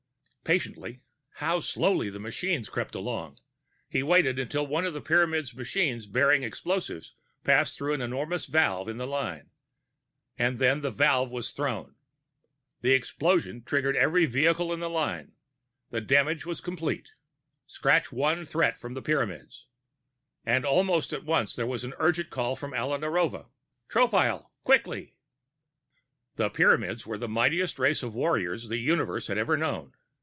Patiently (how slowly the machines crept along!) he waited until one of the Pyramids' machines bearing explosives passed through an enormous valve in the line and then the valve was thrown. The explosion triggered every vehicle in the line. The damage was complete. Scratch one threat from the Pyramids And almost at once, there was another urgent call from Alia Narova: "Tropile, quickly!" The Pyramids were the mightiest race of warriors the Universe had ever known.